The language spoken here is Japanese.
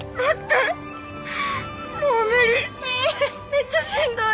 めっちゃしんどい！